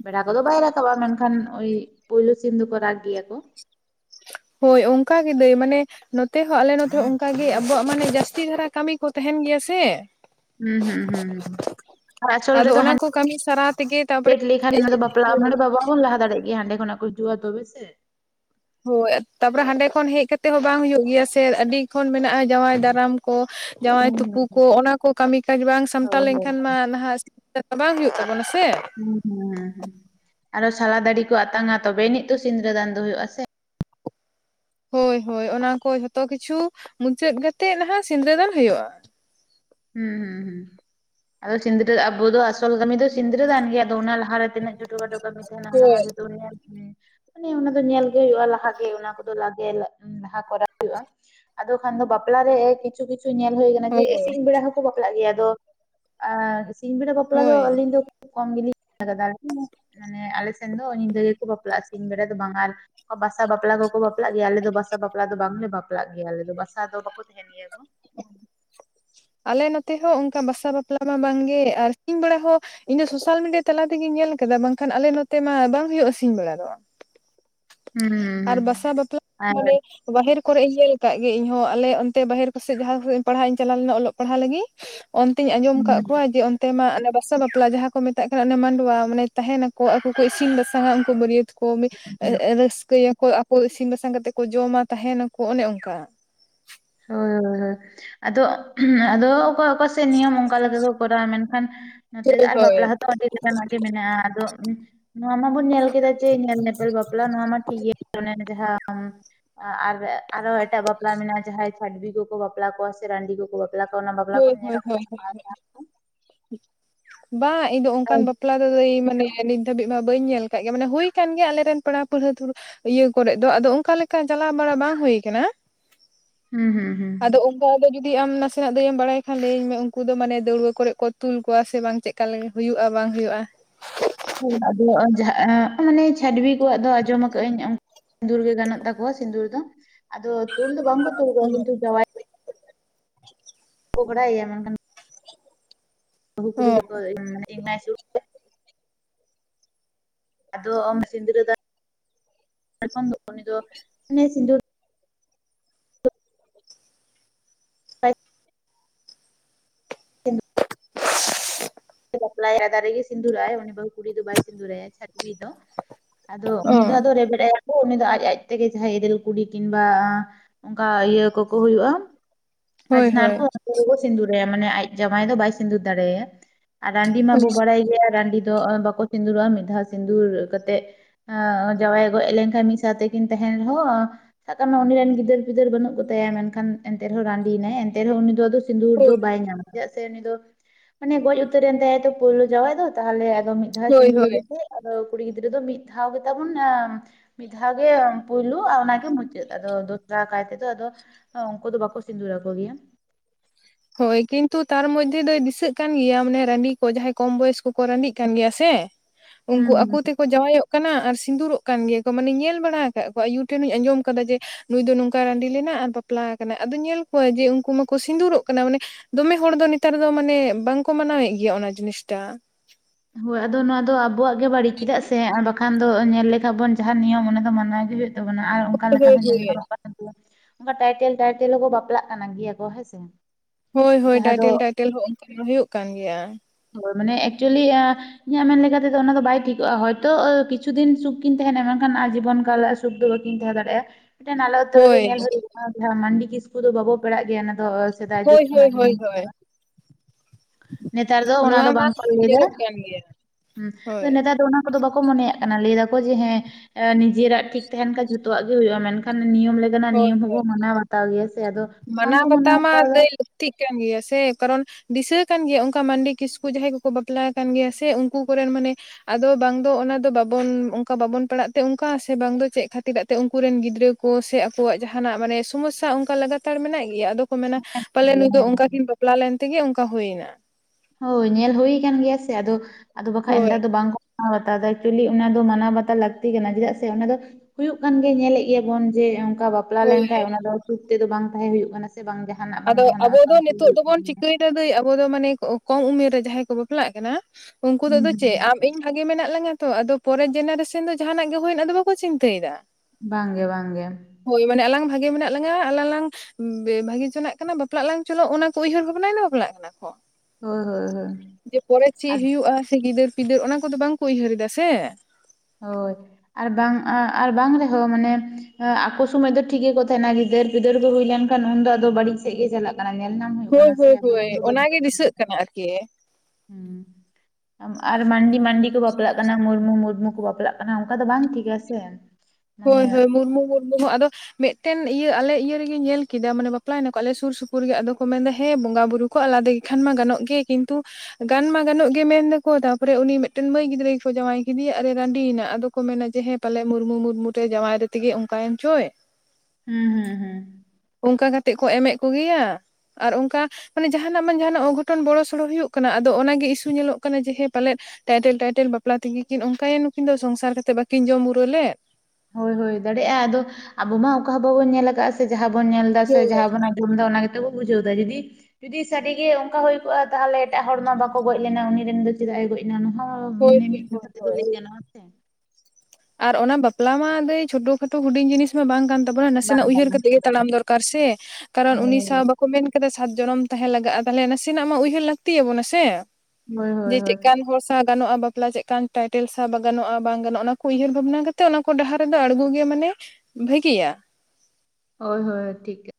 ᱵᱮᱲᱟ ᱠᱚᱫᱚ ᱵᱟᱭ ᱨᱟᱠᱟᱵᱟ ᱢᱮᱱᱠᱷᱟᱱ ᱚᱭ ᱯᱩᱭᱞᱩ ᱥᱤᱢ ᱫᱚᱠᱚ ᱨᱟᱜ ᱜᱮᱭᱟ ᱠᱚ ᱦᱚᱭ ᱚᱱᱠᱟ ᱜᱮ ᱫᱟᱹᱭ ᱢᱟᱱᱮ ᱱᱚᱛᱮ ᱦᱚᱸ ᱟᱞᱮ ᱱᱚᱛᱮ ᱦᱚᱸ ᱚᱱᱠᱟᱜᱮ ᱟᱵᱚᱣᱟᱜ ᱢᱟᱱᱮ ᱡᱟᱹᱥᱛᱤ ᱫᱷᱟᱨᱟ ᱠᱟᱹᱢᱤ ᱠᱚ ᱛᱟᱦᱮᱱ ᱜᱮᱭᱟ ᱥᱮ ᱦᱩᱸ-ᱦᱩᱸ, ᱦᱩᱸ ᱟᱨ ᱟᱥᱚᱞ ᱟᱫᱚ ᱨᱮᱫᱚ ᱚᱱᱟ ᱦᱟᱱ ᱠᱚ ᱠᱟᱹᱢᱤ ᱥᱟᱨᱟ ᱛᱮᱜᱮ ᱛᱟᱯᱚᱨᱮ ᱞᱮᱠᱷᱟᱱ ᱵᱟᱯᱞᱟ ᱦᱟᱸᱰᱮ ᱢᱟ ᱵᱟᱵᱚᱱ ᱞᱟᱦᱟ ᱫᱟᱲᱮᱭᱟᱜ-ᱟ᱾ ᱦᱟᱸᱰᱮ ᱠᱷᱚᱱᱟ ᱠᱚ ᱦᱤᱡᱩᱜ-ᱟ ᱛᱚᱵᱮ ᱥᱮ ᱦᱚᱭ ᱛᱟᱯᱚᱨᱮ ᱦᱟᱸᱰᱮ ᱠᱷᱚᱱ ᱦᱮᱡ ᱠᱟᱛᱮᱫ ᱦᱚᱸ ᱵᱟᱝ ᱦᱩᱭᱩᱜ ᱜᱮᱭᱟ ᱥᱮ ᱟᱹᱰᱤ ᱠᱷᱚᱱ ᱢᱮᱱᱟᱜᱼᱟ ᱡᱟᱶᱟᱭ ᱫᱟᱨᱟᱢ ᱠᱚ ᱡᱟᱶᱟᱭ ᱦᱩᱸ ᱛᱩᱯᱩ ᱦᱩᱸ ᱠᱚ ᱚᱱᱟ ᱠᱚ ᱠᱟᱹᱢᱤ ᱠᱟᱡᱽ ᱵᱟᱝ ᱦᱳᱭ ᱥᱟᱢᱴᱟᱣ ᱦᱳᱭ ᱞᱮᱱᱠᱷᱟᱱ ᱢᱟ ᱱᱟᱦᱟᱜ ᱫᱚ ᱵᱟᱝ ᱦᱩᱭᱩᱜ ᱛᱟᱵᱚᱱᱟ ᱥᱮ ᱦᱩᱸ-ᱦᱩᱸ, ᱦᱩᱸ ᱟᱨᱚ ᱥᱟᱞᱟ ᱫᱟᱨᱤ ᱠᱚ ᱟᱛᱟᱝᱟ ᱛᱚᱵᱮᱡᱟᱹᱱᱤᱡ ᱛᱚ ᱥᱤᱸᱫᱨᱟᱹ ᱫᱟᱱ ᱫᱚ ᱦᱩᱭᱩᱜ ᱟᱥᱮ ᱦᱚᱭ-ᱦᱚᱭ ᱚᱱᱟᱠᱚ ᱡᱷᱚᱛᱚ ᱠᱤᱪᱷᱩ ᱢᱩᱪᱟᱹᱫ ᱠᱟᱛᱮᱫ ᱱᱟᱦᱟᱜ ᱥᱤᱸᱫᱨᱟᱹᱫᱟᱱ ᱦᱩᱭᱩᱜᱼᱟ᱾ ᱦᱩᱸ, ᱦᱩᱸ-ᱦᱩᱸ ᱟᱫᱚ ᱥᱤᱸᱫᱽᱨᱟᱹ ᱟᱵᱚ ᱫᱚ ᱟᱥᱚᱞ ᱠᱟᱹᱢᱤ ᱫᱚ ᱥᱤᱸᱫᱽᱨᱟᱹᱫᱟᱱ ᱜᱮ ᱟᱫᱚ ᱚᱱᱟ ᱞᱟᱦᱟ ᱛᱤᱱᱟᱹᱜ ᱚᱱᱟ ᱢᱟ ᱡᱚᱛᱚ ᱢᱚᱡᱽ ᱛᱟᱦᱮᱱᱟ ᱚᱱᱟ ᱦᱳᱭ ᱢᱟ ᱡᱚᱛᱚ ᱜᱤᱵᱚᱱ ᱧᱮᱞ ᱢᱟᱱᱮ ᱚᱱᱟ ᱫᱚ ᱧᱮᱞ ᱜᱮ ᱦᱩᱭᱩᱜᱼᱟ ᱞᱟᱦᱟᱜᱮ ᱚᱱᱟ ᱠᱚᱫᱚ ᱞᱟᱜᱮ ᱞᱟᱦᱟ ᱠᱚᱨᱟᱣ ᱦᱩᱭᱩᱜᱼᱟ᱾ ᱟᱫᱚ ᱠᱷᱟᱱ ᱫᱚ ᱵᱟᱯᱞᱟ ᱨᱮ ᱠᱤᱪᱷᱩ- ᱠᱤᱪᱷᱩ ᱧᱮᱞ ᱦᱩᱭᱩᱜ-ᱟ᱾ ᱦᱳᱭ ᱥᱤᱧ ᱵᱮᱲᱟ ᱦᱚᱸᱠᱚ ᱵᱟᱯᱟᱜ ᱜᱮᱭᱟ ᱟᱫᱚ ᱥᱤᱧ ᱵᱮᱲᱟ ᱵᱟᱯᱞᱟ ᱫᱚ ᱦᱳᱭ ᱟᱹᱞᱤᱧ ᱫᱚ ᱠᱚᱢ ᱜᱮᱞᱤᱧ ᱟᱠᱟᱫᱟ ᱟᱨ ᱠᱩ ᱢᱟᱱᱮ ᱟᱞᱮ ᱥᱮᱱ ᱫᱚ ᱧᱤᱫᱟᱹ ᱜᱮᱠᱚ ᱵᱟᱯᱞᱟᱜᱼᱟ ᱥᱤᱧ ᱵᱮᱲᱟ ᱫᱚ ᱵᱟᱝ ᱟᱨ ᱵᱟᱥᱟ ᱵᱟᱯᱞᱟ ᱠᱚᱠᱚ ᱵᱟᱯᱞᱟᱜ ᱜᱮᱭᱟ ᱟᱞᱮ ᱫᱚ ᱵᱟᱥᱟ ᱵᱟᱯᱞᱟ ᱫᱚ ᱵᱟᱝᱞᱮ ᱵᱟᱯᱞᱟᱜ ᱜᱮᱭᱟ ᱟᱞᱮ ᱫᱚ ᱵᱟᱥᱟ ᱫᱚ ᱵᱟᱠᱚ ᱛᱮᱦᱮᱱ ᱜᱮᱭᱟ ᱠᱚ ᱟᱞᱮ ᱱᱚᱛᱮ ᱦᱚᱸ ᱚᱱᱠᱟ ᱵᱟᱥᱟ ᱵᱟᱯᱞᱟ ᱢᱟ ᱵᱟᱝᱜᱮ ᱟᱨ ᱥᱤᱧ ᱵᱮᱲᱟ ᱦᱚᱸ ᱤᱧ ᱫᱚ ᱥᱳᱥᱟᱞ ᱢᱤᱰᱤᱭᱟ ᱛᱟᱞᱟ ᱛᱮᱜᱤᱧ ᱧᱮᱞ ᱟᱠᱟᱫᱟ ᱵᱟᱝᱠᱷᱟᱱ ᱟᱞᱮ ᱱᱚᱛᱮ ᱢᱟ ᱵᱟᱝ ᱦᱳᱭᱳᱜᱼᱟ ᱥᱤᱧ ᱵᱮᱲᱟ ᱫᱚ᱾ ᱦᱩᱸ ᱟᱨ ᱦᱩᱸ ᱵᱟᱥᱟ ᱵᱟᱯᱞᱟ ᱟᱨᱼᱼ ᱢᱟᱱᱮ ᱵᱟᱦᱮᱨ ᱠᱚᱨᱮᱜ ᱤᱭᱟᱹ ᱟᱠᱟᱜ ᱜᱮ ᱤᱧ ᱦᱚᱸ ᱟᱞᱮᱭᱟᱜ ᱚᱱᱛᱮ ᱵᱟᱦᱮᱨ ᱠᱚ ᱥᱮᱫ ᱡᱟᱦᱟᱸᱠᱚᱥᱮᱫ ᱯᱟᱲᱦᱟᱜ ᱤᱧ ᱪᱟᱞᱟᱶ ᱞᱮᱱᱟ ᱚᱞᱚᱜᱼᱼ ᱯᱟᱲᱦᱟᱜ ᱞᱟᱹᱜᱤ ᱚᱱᱛᱮᱧ ᱟᱸᱡᱚᱢ ᱦᱩᱸ ᱠᱟᱜ ᱠᱚᱣᱟ ᱡᱮ ᱚᱱᱼᱼ ᱛᱮ ᱢᱟ ᱵᱟᱥᱟ ᱵᱟᱯᱞᱟ ᱡᱟᱦᱟᱸ ᱠᱚ ᱢᱮᱛᱟᱜ ᱠᱟᱱᱟ ᱚᱱᱮ ᱢᱟᱰᱣᱟ ᱢᱟᱱᱮ ᱛᱟᱦᱮᱱᱟᱠᱚ ᱟᱠᱚ ᱠᱚ ᱤᱥᱤᱱ ᱵᱟᱥᱟᱝᱟ ᱩᱱᱠᱩ ᱵᱟᱹᱨᱭᱟᱹᱛᱼᱼ ᱠᱚᱢᱮ ᱦᱩᱸ ᱨᱟᱹᱥᱠᱟᱹᱭᱟᱠᱚ ᱟᱠᱚ ᱤᱥᱤᱱ ᱵᱟᱥᱟᱝ ᱠᱟᱛᱮᱜ ᱠᱚ ᱡᱚᱢᱟ ᱛᱟᱦᱮᱱᱟᱠᱚ ᱚᱱᱮ ᱚᱱᱠᱟ᱾ ᱦᱳᱭ ᱦᱳᱭ ᱟᱫᱚ ᱟᱫᱚ ᱚᱠᱟ ᱚᱠᱟᱼᱼ ᱛᱮ ᱱᱤᱭᱚᱢ ᱚᱱᱠᱟ ᱞᱮᱠᱟ ᱠᱚ ᱠᱚᱨᱟᱣᱟ ᱢᱮᱱᱠᱷᱟᱱ ᱱᱚᱛᱮ ᱫᱚ ᱦᱳᱭ ᱟᱨ ᱵᱟᱯᱞᱟᱼᱼ ᱦᱳᱭ ᱛᱚ ᱟᱹᱰᱤ ᱞᱮᱠᱟᱱᱟᱜ ᱜᱮ ᱢᱱᱟᱜ-ᱟ ᱟᱫᱚᱼᱼ ᱱᱚᱣᱟ ᱢᱟ ᱵᱚᱱ ᱧᱮᱞ ᱠᱮᱫᱟ ᱡᱮ ᱧᱮᱞ ᱧᱮᱯᱮᱞ ᱵᱟᱯᱞᱟ ᱱᱚᱣᱟ ᱢᱟ ᱴᱷᱤᱠ ᱜᱮᱭᱟ ᱚᱱᱮ ᱡᱟᱦᱟᱸᱼᱼ ᱟᱨ ᱟᱨᱦᱚ ᱮᱴᱟᱜ ᱵᱟᱯᱞᱟ ᱢᱮᱱᱟᱜᱼᱟ ᱡᱟᱦᱟᱸᱭ ᱪᱷᱟᱹᱰᱩᱭᱤ ᱠᱚᱠᱚ ᱵᱟᱯᱞᱟ ᱠᱚᱣᱟ ᱥᱮ ᱨᱟᱺᱰᱤ ᱠᱚᱠᱚ ᱵᱟᱯᱼᱼ ᱵᱟᱯᱞᱟ ᱠᱚᱣᱟ ᱟᱱᱟ ᱵᱟᱯᱼᱼ ᱦᱳᱭ ᱦᱳᱭ ᱦᱳᱭ ᱵᱟᱝ ᱤᱧ ᱫᱚ ᱚᱱᱠᱟᱱ ᱵᱟᱯᱼᱼ ᱵᱟᱯᱞᱟ ᱫᱚ ᱟᱫᱚ ᱤᱧ ᱢᱟᱱᱮ ᱱᱤᱛ ᱫᱷᱟᱹᱵᱤᱡ ᱢᱟ ᱵᱟᱹᱧ ᱧᱮᱞ ᱟᱠᱟᱜ ᱜᱮᱭᱟ ᱢᱟᱱᱮ ᱦᱩᱭ ᱠᱟᱱ ᱜᱮᱭᱟ ᱟᱞᱮᱨᱮᱱ ᱯᱮᱲᱟ ᱯᱟᱲᱦᱟᱹ ᱛᱷᱩᱨᱩᱼᱼ ᱤᱭᱟᱹ ᱠᱚᱨᱮᱜ ᱫᱚ ᱟᱫᱚ ᱚᱱᱠᱟ ᱞᱮᱠᱟ ᱪᱟᱞᱟᱣ ᱵᱟᱲᱟ ᱵᱟᱝ ᱦᱩᱭ ᱠᱟᱱᱟ᱾ ᱦᱩᱸ ᱦᱩᱸ ᱦᱩᱸ ᱟᱫᱚ ᱚᱱᱠᱟ ᱜᱮ ᱡᱩᱫᱤ ᱟᱢ ᱱᱟᱥᱮᱱᱟᱜᱼᱼ ᱫᱟᱹᱭᱮᱢ ᱵᱟᱲᱟᱭ ᱠᱷᱟᱱ ᱞᱟᱹᱭᱟᱹᱧ ᱢᱮ ᱩᱱᱠᱩ ᱫᱚ ᱢᱟᱱᱮ ᱫᱟᱹᱲᱣᱟᱹ ᱠᱚᱨᱮᱜ ᱠᱚ ᱛᱩᱞ ᱠᱚᱣᱟ ᱥᱮ ᱵᱟᱝ ᱪᱮᱫᱠᱟ ᱞᱮᱠᱟ ᱦᱩᱭᱩᱜᱼᱟ ᱵᱟᱝ ᱦᱩᱭᱩᱜᱼᱟ᱾ ᱦᱳᱭ ᱟᱫᱚ ᱡᱟᱦᱟᱸ ᱢᱟᱱᱮ ᱪᱷᱟᱹᱰᱩᱭᱤ ᱠᱚᱣᱟᱜ ᱫᱚ ᱟᱸᱡᱚᱢ ᱟᱠᱟᱜ ᱟᱹᱧᱼᱼ ᱥᱤᱸᱫᱩᱨ ᱜᱮ ᱜᱟᱱᱚᱜ ᱛᱟᱠᱚᱣᱟ ᱥᱤᱸᱫᱩᱨ ᱫᱚ ᱟᱫᱚ ᱛᱩᱞ ᱫᱚ ᱵᱟᱝᱠᱚ ᱛᱩᱞ ᱚ ᱠᱚᱣᱟ ᱠᱤᱱᱛᱩ ᱡᱟᱣᱟᱭᱼᱼ ᱠᱚ ᱜᱷᱚᱸᱲᱟᱭ ᱭᱟ ᱢᱮᱱᱠᱷᱟᱱᱼᱼ ᱵᱟᱦᱩ ᱠᱩᱲᱤ ᱫᱚ ᱥᱩ [inaudible] ᱟᱫᱚ ᱟᱢ ᱥᱤᱸᱫᱩᱨ ᱫᱟ [inaudible] ᱩᱱᱤ ᱫᱚ ᱢᱟᱱᱮ ᱥᱤᱸᱫᱩᱨ [unintelligible] ᱤᱸᱫᱩᱜ [inaudible] [inaudible] ᱵᱟᱯᱞᱟᱭᱟ ᱫᱟᱨᱮ ᱨᱮᱜᱮ ᱥᱤᱸᱫᱩᱨᱟᱭᱟ ᱩᱱᱤ ᱵᱟᱹᱦᱩ ᱠᱩᱲᱤ ᱫᱚ ᱵᱟᱭ ᱥᱤᱸᱫᱩᱨᱟᱭᱟ ᱪᱷᱟᱰᱩᱭᱤ ᱫᱚ᱾ ᱟᱫᱚ ᱚ ᱩᱱᱤ ᱫᱚ ᱟᱫᱚ ᱨᱮᱵᱮᱫ ᱟᱭᱟ᱾ ᱳ ᱩᱱᱤ ᱫᱚ ᱟᱡ ᱟᱡ ᱛᱮᱜᱮ ᱡᱟᱦᱟᱸᱭ ᱮᱫᱮᱞ ᱠᱩᱲᱤ ᱠᱤᱝᱵᱟ ᱚᱱᱠᱟ ᱤᱭᱟᱹ ᱠᱚᱠᱚ ᱦᱩᱭᱩᱜᱼᱟ᱾ ᱦᱳᱭ ᱟᱡᱷᱱᱟᱨ ᱦᱳᱭ ᱠᱚ ᱩᱱᱠᱩ ᱜᱮᱠᱚ ᱥᱤᱸᱫᱩᱨᱟᱭᱟ ᱢᱟᱱᱮ ᱟᱡ ᱡᱟᱶᱟᱭ ᱫᱚ ᱵᱟᱭ ᱥᱤᱸᱫᱩᱨ ᱫᱟᱲᱮᱭᱟᱭᱟ᱾ ᱟᱨ ᱨᱟᱺᱰᱤ ᱢᱟᱵᱚ ᱵᱟᱲᱟᱭ ᱜᱮᱭᱟ ᱨᱟᱺᱰᱤ ᱫᱚ ᱵᱟᱠᱚ ᱥᱤᱸᱫᱩᱨᱚᱜᱼᱟ ᱢᱤᱫ ᱫᱷᱟᱣ ᱥᱤᱸᱫᱩᱨ ᱠᱟᱛᱮᱜᱼᱼ ᱡᱟᱶᱟᱭ ᱮ ᱜᱚᱡ ᱞᱮᱱᱠᱷᱟᱱ ᱢᱤᱫ ᱥᱟᱶ ᱛᱮᱠᱤᱱ ᱛᱟᱦᱮᱱ ᱨᱮᱦᱚᱸᱼᱼ ᱥᱟᱵᱠᱟᱜ ᱢᱮ ᱩᱱᱤ ᱨᱮᱱ ᱜᱤᱫᱟᱹᱨ ᱯᱤᱫᱟᱹᱨ ᱵᱟᱹᱱᱩᱜ ᱠᱚᱛᱟᱭᱟ ᱢᱮᱱᱠᱷᱟᱱ ᱮᱱᱛᱮ ᱨᱮᱦᱚᱸ ᱨᱟᱺᱰᱤᱭᱮᱱᱟᱭ ᱮᱱᱛᱮ ᱨᱮᱦᱚᱸ ᱩᱱᱤ ᱫᱚ ᱟᱫᱚᱼᱼ ᱥᱤᱸᱫᱩᱨ ᱫᱚ ᱦᱳᱭ ᱵᱟᱭ ᱧᱟᱢᱟ ᱪᱮᱫᱟᱜ ᱥᱮ ᱩᱱᱤ ᱫᱚ ᱢᱟᱱᱮ ᱜᱚᱡ ᱩᱛᱼᱼ ᱩᱛᱟᱹᱨ ᱨᱮᱱ ᱛᱟᱭᱟ ᱛᱚ ᱯᱩᱭᱞᱳ ᱡᱟᱸᱶᱟᱭ ᱫᱚ ᱛᱟᱦᱚᱞᱮ ᱟᱫᱚ ᱢᱤᱫ ᱫᱷᱟᱣ ᱦᱳᱭ ᱥᱤᱸᱫᱩᱨ ᱦᱳᱭ ᱟᱫᱮ ᱛᱟᱦᱮᱜ᱾ ᱟᱫᱚ ᱠᱩᱲᱤ ᱜᱤᱫᱽᱨᱟᱹ ᱫᱚ ᱢᱤᱫᱴᱟᱝ ᱫᱷᱟᱣ ᱜᱮᱛᱟᱵᱚᱱ ᱮᱢᱼᱼ ᱢᱤᱫ ᱫᱷᱟᱣ ᱜᱮ ᱯᱩᱭᱞᱩ ᱚᱱᱟᱜᱮ ᱢᱩᱪᱟᱹᱫ ᱟᱫᱚ ᱫᱚᱥᱨᱟ ᱠᱟᱭ ᱛᱮᱫᱚ ᱟᱫᱚᱼᱼ ᱦᱮ ᱩᱱᱠᱩ ᱫᱚ ᱵᱟᱠᱚ ᱥᱤᱸᱫᱩᱨ ᱟᱠᱚ ᱜᱮᱭᱟ᱾ ᱦᱳᱭ ᱠᱤᱱᱛᱩ ᱛᱟᱨ ᱢᱚᱫᱽᱫᱷᱮ ᱫᱚᱭ ᱫᱤᱥᱟᱹᱜ ᱠᱟᱱ ᱜᱮᱭᱟ ᱢᱟᱱᱮ ᱨᱟᱺᱰᱤ ᱠᱚ ᱡᱟᱦᱟᱸᱭ ᱠᱚᱢ ᱵᱚᱭᱮᱥ ᱠᱚᱠᱚ ᱨᱟᱺᱰᱤᱜ ᱠᱟᱱ ᱜᱮᱭᱟ ᱥᱮᱼᱼ [inaudible] ᱩᱝᱠᱩ ᱟᱠᱚ ᱛᱮᱠᱚᱼᱼ ᱡᱟᱶᱟᱭᱚᱜ ᱠᱟᱱᱟ ᱟᱨ ᱥᱤᱸᱫᱩᱨᱚᱜ ᱠᱟᱱ ᱜᱮᱭᱟ ᱠᱚ ᱢᱟᱱᱮᱧ ᱧᱮᱞ ᱵᱟᱲᱟ ᱟᱠᱟᱫ ᱠᱚᱣᱟ ᱟᱹᱭᱩ ᱴᱷᱮᱱᱤᱧ ᱟᱸᱡᱚᱢ ᱠᱟᱫᱟ ᱡᱮᱼᱼ ᱱᱩᱭ ᱫᱚ ᱱᱚᱝᱠᱟ ᱨᱟᱺᱰᱤ ᱞᱮᱱᱟ ᱟᱨ ᱵᱟᱯᱞᱟ ᱟᱠᱟᱱᱟᱭ ᱟᱫᱚ ᱧᱮᱞ ᱠᱚᱣᱟ ᱡᱮ ᱩᱱᱠᱩ ᱢᱟᱠᱚ ᱥᱤᱸᱫᱩᱨᱚᱜᱼᱼ ᱠᱟᱱᱟ ᱢᱟᱱᱮ ᱫᱚᱢᱮ ᱦᱚᱲ ᱫᱚ ᱱᱮᱛᱟᱨ ᱫᱚ ᱢᱟᱱᱮ ᱵᱟᱝᱠᱚ ᱢᱟᱱᱟᱣᱮᱜ ᱜᱮᱭᱟ ᱚᱱᱟ ᱡᱤᱱᱤᱥ ᱴᱟᱜ᱾ ᱦᱳᱭ ᱟᱫᱚ ᱱᱚᱣᱟ ᱫᱚ ᱟᱵᱚᱣᱟᱜ ᱜᱮ ᱵᱟᱹᱲᱤᱡ ᱪᱮᱫᱟᱜ ᱥᱮ ᱟᱵᱟᱠᱷᱟᱱᱼᱼ ᱛᱚ ᱧᱮᱞ ᱞᱮᱠᱷᱟᱱᱡ ᱵᱚᱱ ᱡᱟᱦᱟᱸ ᱱᱤᱭᱚᱢ ᱚᱱᱟ ᱫᱚ ᱢᱟᱱᱟᱣ ᱜᱮ ᱦᱩᱭᱩᱜ ᱛᱟᱵᱱᱟ ᱟᱨ ᱚᱱᱠᱟ ᱦᱳᱭ ᱞᱮᱠᱟ ᱦᱚᱸ ᱦᱳᱭ [unintelligible] ᱚᱱᱠᱟ ᱴᱟᱭᱴᱮᱞ ᱴᱟᱭᱴᱮᱞ ᱦᱚᱸᱠᱚ ᱵᱟᱯᱞᱟᱜ ᱠᱟᱱᱟ ᱜᱮᱭᱟ ᱠᱚ ᱦᱮᱸᱥᱮ ᱾ ᱦᱳᱭ ᱦᱳᱭ ᱴᱟᱭᱴᱮᱞ ᱴᱟᱭᱴᱮᱞ ᱦᱚᱸ ᱚᱱᱠᱟ ᱦᱩᱭᱩᱜ ᱠᱟᱱ ᱜᱮᱭᱟ ᱾ ᱦᱳᱭ ᱢᱟᱱᱮ ᱮᱠᱪᱩᱞᱤᱭᱟᱼᱼ ᱤᱧᱟᱜ ᱢᱮᱱ ᱞᱮᱠᱟᱛᱮᱫᱚ ᱚᱱᱟ ᱫᱚ ᱵᱟᱭ ᱴᱷᱤᱠᱚᱜᱼᱟ, ᱦᱚᱭᱛᱚ ᱠᱤᱪᱷᱩ ᱫᱤᱱ ᱥᱩᱠ ᱠᱤᱱ ᱛᱟᱦᱮᱱᱟ ᱢᱮᱱᱠᱷᱟᱱ ᱟᱡᱤᱵᱚᱱ ᱠᱟᱞ ᱥᱩᱠ ᱫᱚ ᱵᱟᱠᱤᱱ ᱛᱟᱦᱮᱸ ᱫᱟᱲᱮᱭᱟᱜᱼᱟ ᱾ ᱢᱤᱫᱴᱮᱱ ᱟᱞᱮ ᱩᱛᱩ ᱨᱮᱜᱮ ᱦᱳᱭ ᱧᱮᱞ ᱦᱩᱭᱩᱜ ᱠᱟᱱᱟ ᱡᱟᱦᱟᱸ ᱢᱟᱱᱰᱤ ᱠᱤᱥᱠᱩ ᱩᱱᱠᱩ ᱫᱚ ᱵᱟᱵᱚ ᱯᱮᱲᱟᱜ ᱜᱮᱭᱟ ᱚᱱᱟ ᱫᱚ ᱥᱮᱫᱟᱭ ᱡᱩᱜᱽ ᱦᱳᱭ ᱦᱳᱭ ᱠᱷᱚᱱᱟᱜ ᱜᱮ ᱦᱳᱭ ᱢᱮᱱᱟᱜ ᱦᱳᱭ ᱠᱟᱫᱟ ᱾ ᱱᱮᱛᱟᱨ ᱫᱚ ᱚᱱᱟ ᱱᱚᱣᱟ ᱫᱚ ᱢᱟ ᱵᱟᱝᱠᱚ ᱞᱟᱹᱭ ᱫᱟ ᱧᱮᱞᱚᱜ ᱠᱟᱱ ᱜᱮᱭᱟ ᱦᱳᱭ ᱦᱩᱸ ᱱᱮᱛᱟ ᱚᱱᱟ ᱠᱚᱫᱚ ᱵᱟᱠᱚ ᱢᱚᱱᱮᱭᱟᱜ ᱠᱟᱱᱟ ᱞᱟᱹᱭ ᱫᱟᱠᱚ ᱡᱮ ᱦᱮᱸ ᱱᱤᱡᱮᱨᱟᱜ ᱴᱷᱤᱠ ᱛᱟᱦᱮᱱ ᱠᱷᱟᱱ ᱡᱷᱚᱛᱚᱣᱟᱜ ᱜᱮ ᱦᱩᱭᱩᱜᱼᱟ ᱢᱮᱱᱠᱷᱟᱱ ᱱᱤᱭᱚᱢ ᱠᱟᱱᱟᱜ ᱦᱳᱭ ᱱᱤᱭᱚᱢ ᱦᱚᱵᱚ ᱦᱳᱭ ᱢᱟᱱᱟᱣ ᱵᱟᱛᱟᱣ ᱜᱮᱭᱟ ᱥᱮ, ᱟᱫᱚ ᱵᱟᱝᱠᱚ ᱢᱟᱱᱟᱣ ᱵᱟᱛᱟᱣ ᱮᱫᱟ ᱾ ᱠᱷᱩᱛᱤ ᱠᱟᱱ ᱜᱮᱭᱟ ᱥᱮ ᱠᱟᱨᱚᱱ ᱫᱤᱥᱟᱹ ᱟᱠᱟᱱ ᱜᱮᱭᱟ ᱚᱱᱠᱟ ᱢᱟᱱᱰᱤ ᱠᱤᱥᱠᱩ ᱡᱟᱦᱟᱭ ᱠᱚᱠᱚ ᱵᱟᱯᱞᱟ ᱠᱟᱱ ᱜᱮᱭᱟ ᱥᱮ ᱩᱱᱠᱩ ᱠᱚᱨᱮᱱ ᱢᱟᱱᱮ ᱟᱫᱚ ᱵᱟᱝ ᱫᱚ ᱚᱱᱟᱫᱚ ᱵᱟᱵᱚᱱ ᱚᱱᱠᱟ ᱵᱟᱵᱚᱱ ᱯᱟᱲᱟᱜ ᱛᱮ ᱚᱱᱠᱟ ᱥᱮ ᱵᱟᱝ ᱫᱚ ᱪᱮᱫ ᱠᱷᱟᱹᱛᱤᱨᱟᱜ ᱛᱮ ᱩᱱᱠᱩ ᱨᱮᱱ ᱜᱤᱫᱽᱨᱟᱹ ᱠᱚ ᱥᱮ ᱟᱠᱚᱣᱟᱜ ᱡᱟᱦᱟᱱᱟᱜ ᱢᱟᱱᱮ ᱥᱚᱢᱚᱥᱥᱟ ᱚᱱᱠᱟ ᱞᱟᱜᱟᱛᱟᱨ ᱢᱮᱱᱟᱜ ᱜᱮᱭᱟ ᱟᱫᱚ ᱠᱚ ᱢᱮᱱᱟ ᱯᱟᱞᱮ ᱱᱩᱭ ᱫᱚ ᱦᱮᱸ ᱚᱱᱠᱟ ᱠᱤᱱ ᱵᱟᱯᱼᱼ ᱵᱟᱯᱞᱟ ᱞᱮᱱ ᱛᱮᱜᱮ ᱚᱱᱠᱟ ᱦᱩᱭ ᱮᱱᱟ ᱾ ᱦᱳᱭ ᱧᱮᱞ ᱦᱩᱭ ᱟᱠᱟᱱ ᱜᱮᱭᱟ ᱥᱮ ᱟᱫᱚ ᱟᱫᱚ ᱵᱟᱠᱷᱟᱡ ᱦᱳᱭ ᱱᱮᱛᱟᱨ ᱫᱚ ᱵᱟᱝ ᱠᱚ ᱢᱟᱱᱟᱣ ᱵᱟᱛᱟᱣ ᱮᱫᱟ ᱮᱠᱪᱩᱭᱞᱤ ᱚᱱᱟ ᱫᱚ ᱢᱟᱱᱟᱣ ᱵᱟᱛᱟᱣ ᱞᱟᱹᱠᱛᱤ ᱠᱟᱱᱟ ᱾ ᱪᱮᱫᱟᱜ ᱥᱮ ᱚᱱᱟ ᱫᱚ ᱦᱩᱭᱩᱜ ᱠᱟᱱ ᱜᱮ ᱧᱮᱞᱮᱫ ᱜᱮᱭᱟ ᱵᱚᱱ ᱡᱮ ᱚᱱᱠᱟ ᱵᱟᱯᱼᱼ ᱵᱟᱯᱞᱟ ᱦᱳᱭ ᱞᱮᱱᱠᱷᱟᱡ ᱚᱱᱟ ᱫᱚ ᱥᱩᱠ ᱛᱮᱫᱚ ᱵᱟᱝ ᱛᱟᱦᱮᱸ ᱦᱩᱭᱩᱜ ᱠᱟᱱᱟ ᱥᱮ ᱵᱟᱝ ᱡᱟᱦᱱᱟᱜ ᱵᱟᱝ ᱟᱫᱚ ᱡᱟᱦᱱᱟᱜ ᱟᱵᱚ ᱫᱚ ᱚᱥᱟᱱᱛᱤ ᱱᱤᱛᱚᱜ ᱦᱩᱭᱩᱜ ᱠᱟᱱ ᱫᱚᱵᱚᱱ ᱜᱮᱭᱟ ᱾ [unintelligible] ᱟᱵᱚ ᱫᱚ ᱢᱟᱱᱮ ᱠᱚᱢ ᱩᱢᱮᱨ ᱨᱮ ᱡᱟᱦᱟᱸᱭ ᱠᱚ ᱵᱟᱯᱞᱟᱜ ᱠᱟᱱᱟ ᱩᱱᱠᱩ ᱫᱚ ᱦᱩᱸ ᱟᱫᱚ ᱦᱩᱸ ᱪᱮᱫ ᱟᱢᱼᱼ ᱤᱧ ᱵᱷᱟᱜᱮ ᱢᱮᱱᱟᱜ ᱞᱟᱝ ᱟ ᱛᱚ, ᱟᱫᱚ ᱯᱚᱨᱮᱨ ᱡᱮᱱᱟᱨᱮᱥᱚᱱ ᱫᱚ ᱡᱟᱦᱟᱱᱟᱜ ᱜᱮ ᱦᱳᱭᱮᱱ ᱟᱫᱚ ᱵᱟᱠᱚ ᱪᱤᱱᱛᱟᱹᱭᱮᱫᱟ ᱾ ᱵᱟᱝᱜᱮ ᱵᱟᱝᱜᱮ ᱾ ᱦᱳᱭ ᱢᱟᱱᱮ ᱟᱞᱟᱝ ᱵᱷᱟᱜᱮ ᱢᱮᱱᱟᱜ ᱞᱟᱝᱟ ᱟᱞᱟᱝᱞᱟᱝ ᱵᱷᱟᱹᱜᱤ ᱡᱚᱱᱟᱜ ᱠᱟᱱᱟ ᱵᱟᱯᱞᱟᱜ ᱞᱟᱝ ᱪᱚᱞᱚᱜ ᱚᱱᱟ ᱠᱚ ᱩᱭᱦᱟᱹᱨ ᱵᱷᱟᱵᱽᱱᱟᱭ ᱵᱟᱯᱞᱟᱜ ᱠᱟᱱᱟ ᱠᱚ ᱦᱳᱭ ᱦᱳᱭ ᱦᱳᱭ ᱾ ᱡᱮ ᱯᱚᱨᱮ ᱪᱮᱫ ᱟᱫᱚ ᱦᱩᱭᱩᱜᱼᱟ ᱥᱮ ᱜᱤᱫᱟᱹᱨᱼ ᱯᱤᱫᱟᱹᱨ ᱚᱱᱟ ᱠᱚᱫᱚ ᱵᱟᱝᱠᱚ ᱩᱭᱦᱟᱹᱨᱮᱫᱟ ᱥᱮ ᱾ ᱦᱳᱭ ᱟᱨ ᱵᱟᱝ ᱟᱨ ᱵᱟᱝ ᱨᱮᱦᱚᱸ ᱢᱟᱱᱮ ᱟᱠᱚ ᱥᱚᱢᱚᱭ ᱫᱚ ᱴᱷᱤᱠ ᱜᱮᱠᱚ ᱛᱟᱦᱮᱸᱱᱟ ᱜᱤᱫᱟᱹᱨ ᱯᱤᱫᱟᱹᱨ ᱠᱚ ᱦᱩᱭ ᱞᱮᱱᱠᱷᱟᱱ ᱩᱱᱫᱚ ᱟᱫᱚ ᱵᱟᱹᱲᱤᱡ ᱥᱮᱫ ᱜᱮ ᱪᱟᱞᱟᱜ ᱾ [unintelligible] ᱧᱮᱞ ᱧᱟᱢ ᱦᱩᱭᱩᱜ ᱦᱳᱭ ᱠᱟᱱᱟ ᱥᱮ ᱦᱳᱭ ᱟᱫᱚ ᱦᱳᱭ ᱩᱱᱫᱚ ᱚᱱᱟᱜ ᱜᱮ ᱵᱟᱹᱲᱤᱡᱚᱜ ᱫᱤᱥᱟᱹᱜ ᱠᱟᱱᱟ ᱟᱨᱠᱤ ᱟᱨ ᱢᱟᱱᱰᱤ ᱢᱟᱱᱰᱤ ᱠᱚ ᱵᱟᱯᱞᱟᱜ ᱠᱟᱱᱟ ᱢᱩᱨᱢᱩ ᱢᱩᱨᱢᱩᱼᱼ ᱠᱚ ᱵᱟᱯᱞᱟᱜ ᱠᱟᱱᱟ ᱚᱱᱠᱟ ᱫᱚ ᱵᱟᱝ ᱴᱷᱤᱠᱟ ᱥᱮ ᱾ ᱦᱳᱭ ᱦᱳᱭ ᱢᱩᱨᱢᱩ ᱢᱩᱨᱢᱩ ᱦᱚᱸ ᱟᱫᱚ ᱢᱤᱫᱴᱮᱱ ᱤᱭᱟᱹ ᱟᱞᱮ ᱤᱭᱟᱹ ᱨᱮᱜᱮ ᱧᱮᱞ ᱠᱮᱫᱟ, ᱢᱟᱱᱮ ᱵᱟᱯᱞᱟᱭᱮᱱᱟ ᱠᱚ ᱟᱞᱮ ᱥᱩᱨ ᱥᱩᱯᱩᱨ ᱜᱮ ᱟᱫᱚ ᱠᱚ ᱢᱮᱱ ᱮᱫᱟ ᱦᱮ ᱵᱚᱸᱜᱟ ᱵᱩᱨᱩ ᱠᱚ ᱟᱞᱟᱫᱟ ᱜᱮᱠᱷᱟᱱ ᱢᱟ ᱜᱟᱱᱚᱜ ᱜᱮ ᱠᱤᱱᱛᱩ ᱜᱟᱱ ᱢᱟ ᱜᱟᱱᱚᱜ ᱜᱮ ᱢᱮᱱ ᱫᱟᱠᱚ ᱛᱟᱯᱚᱨᱮ ᱩᱱᱤ ᱢᱤᱫᱴᱮᱱ ᱢᱟᱹᱭ ᱜᱤᱫᱽᱨᱟᱹ ᱜᱮ ᱠᱚ ᱡᱟᱶᱟᱭ ᱠᱮᱫᱮᱭᱟ ᱟᱨᱮ ᱨᱟᱺᱰᱤᱭᱮᱱᱟ ᱟᱫᱚ ᱠᱚ ᱢᱮᱱᱟ ᱡᱮ ᱦᱮᱸ ᱯᱟᱞᱮ ᱢᱩᱨᱢᱩ ᱢᱩᱨᱢᱩ ᱨᱮ ᱡᱟᱶᱟᱭ ᱛᱮᱜᱮ ᱚᱱᱠᱟᱭᱮᱱ ᱪᱚᱭ ᱾ ᱦᱩᱸ ᱦᱩᱸ ᱦᱩᱸ ᱚᱱᱠᱟ ᱠᱟᱛᱮᱜ ᱠᱚ ᱮᱢᱮᱜ ᱠᱚᱜᱮᱭᱟ, ᱟᱨ ᱚᱱᱠᱟ ᱢᱟᱱᱮ ᱡᱟᱦᱟᱱᱟᱜ ᱢᱟ ᱡᱟᱦᱟᱱᱟᱜ ᱚᱜᱷᱚᱴᱚᱱ ᱵᱚᱲᱚ ᱥᱚᱲᱚ ᱦᱩᱭᱩᱜ ᱠᱟᱱᱟ, ᱟᱫᱚ ᱚᱱᱟᱜᱮ ᱤᱥᱩ ᱧᱮᱞᱚᱜ ᱠᱟᱱᱟ ᱡᱮᱦᱮ ᱯᱟᱞᱮᱫ ᱴᱟᱭᱴᱮᱞ ᱴᱟᱭᱴᱮᱞ ᱵᱟᱯᱞᱟ ᱛᱮᱜᱮ ᱠᱤᱱ ᱚᱱᱠᱟᱭᱮᱱ ᱱᱩᱠᱤᱱ ᱫᱚ ᱥᱚᱝᱥᱟᱨ ᱠᱟ ᱠᱟᱛᱮ ᱵᱟᱠᱤᱱ ᱡᱚᱢ ᱯᱩᱨᱟᱹᱣ ᱞᱮᱫ ᱾ ᱦᱳᱭ ᱦᱳᱭ ᱫᱟᱲᱮᱭᱟᱜᱼᱟ, ᱟᱫᱚ ᱟᱵᱚ ᱢᱟ ᱚᱠᱟ ᱦᱚᱸ ᱵᱟᱵᱚᱱ ᱧᱮᱞ ᱟᱠᱟᱫᱼᱟ ᱥᱮ ᱡᱟᱦᱟᱸ ᱵᱚᱱ ᱧᱮᱞ ᱮᱫᱟ ᱥᱮ ᱦᱳᱭ ᱡᱟᱦᱟᱸ ᱵᱚᱱ ᱟᱡᱼᱼ ᱩᱱ ᱫᱚ ᱚᱱᱟ ᱜᱮᱛᱚ ᱠᱚ ᱵᱩᱡᱷᱟᱹᱣᱫᱟ ᱡᱤᱫᱤ ᱡᱩᱫᱤ ᱥᱟᱹᱨᱤᱜᱮ ᱚᱱᱠᱟ ᱦᱩᱭ ᱠᱚᱜᱼᱟ ᱛᱟᱦᱚᱞᱮ ᱮᱴᱟᱜ ᱦᱚᱲ ᱢᱟ ᱵᱟᱠᱚ ᱜᱚᱡ ᱞᱮᱱᱟ ᱩᱱᱤ ᱨᱮᱱ ᱫᱚ ᱪᱮᱫᱟᱜ ᱮ ᱜᱚᱡ ᱮᱱᱟ ᱚᱱᱟᱦᱚᱸ ᱦᱳᱭ ᱢᱟᱱᱮ ᱢᱤᱫ ᱦᱳᱭ ᱠᱟᱛᱷᱟ ᱛᱮᱫᱚ ᱦᱳᱭ ᱞᱟᱹᱭ ᱜᱟᱱᱚᱜ-ᱟ ᱥᱮ᱾ ᱟᱨ ᱚᱱᱟ ᱵᱟᱯᱞᱟ ᱢᱟ ᱫᱟᱹᱭ ᱪᱷᱳᱴᱳ ᱠᱷᱟᱴᱳ ᱦᱩᱰᱤᱧ ᱡᱤᱱᱤᱥ ᱢᱟ ᱵᱟᱝ ᱠᱟᱱ ᱛᱟᱵᱚᱱᱟ ᱱᱟᱥᱮᱱᱟᱜ ᱵᱟᱝ ᱩᱭᱦᱟᱹᱨ ᱜᱟᱱᱚᱜᱼᱟ ᱠᱟᱛᱮᱜ ᱜᱮ ᱛᱟᱲᱟᱢ ᱫᱚᱨᱠᱟᱨ ᱥᱮ ᱠᱟᱨᱚᱱ ᱩᱱᱤ ᱥᱟᱶ ᱫᱚ ᱦᱳᱭ ᱠᱚ ᱢᱮᱱ ᱠᱟᱫᱟ ᱥᱟᱛ ᱡᱚᱱᱚᱢ ᱛᱟᱦᱮᱸ ᱞᱟᱜᱟᱜ-ᱟ, ᱛᱟᱦᱞᱮ ᱱᱟᱥᱮᱱᱟᱜ ᱢᱟ ᱩᱭᱦᱟᱹᱨ ᱞᱟᱹᱠᱛᱤᱭᱟᱵᱚᱱᱟ ᱥᱮ᱾ ᱦᱳᱭ ᱡᱮ ᱦᱳᱭ ᱪᱮᱫᱠᱟᱱ ᱦᱚᱲ ᱥᱟᱶ ᱜᱟᱱᱚᱜ-ᱟ ᱵᱟᱯᱞᱟ ᱪᱮᱫᱠᱟᱱ ᱴᱟᱭᱴᱮᱹᱞ ᱥᱟᱶ ᱵᱟᱝ ᱜᱟᱱᱚᱜ-ᱟ ᱵᱟᱝ ᱜᱟᱱᱚᱜᱼᱟ ᱚᱱᱟ ᱠᱚ ᱠᱚ ᱩᱭᱦᱟᱹᱨ ᱵᱷᱟᱵᱽᱱᱟ ᱠᱟᱛᱮᱜ ᱚᱱᱟ ᱠᱚ ᱰᱟᱦᱟᱨ ᱨᱮᱫᱚ ᱟᱬᱜᱚ ᱜᱮ ᱢᱟᱱᱮ ᱵᱷᱟᱹᱜᱤᱭᱟ᱾ ᱦᱳᱭ ᱦᱳᱭ ᱴᱷᱤᱠ ᱜᱮ᱾